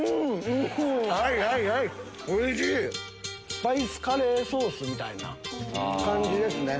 スパイスカレーソースみたいな感じですね。